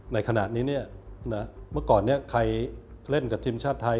ในขณะนี้เมื่อก่อนนี้ใครเล่นกับทีมชาติไทย